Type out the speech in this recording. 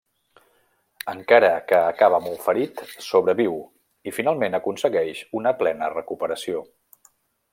Encara que acaba molt ferit, sobreviu, i finalment aconsegueix una plena recuperació.